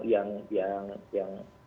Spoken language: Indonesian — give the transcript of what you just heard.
yang yang yang